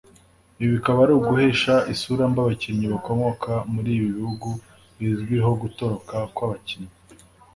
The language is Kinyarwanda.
Ibi bikaba ari uguhesha isura mbi abakinnyi bakomoka muri ibi bihugu bizwiho gutoroka kw’abakinnyi